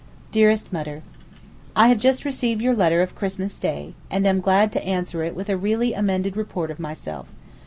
DEAREST MUTTER, I have just received your letter of Christmas day, and am glad to answer it with a really amended report of myself.